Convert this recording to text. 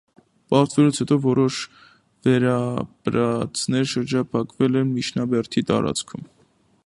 Պարտվելուց հետո որոշ վերապրածներ շրջափակվել են միջնաբերդի տարածքում։